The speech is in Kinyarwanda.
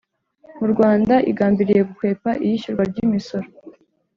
mu Rwanda igambiriye gukwepa iyishyurwa ry’imisoro.